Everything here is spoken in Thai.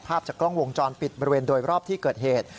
ภาพจากกล้องวงจรปิดบริเวณโดยรอบที่เกิดเหตุ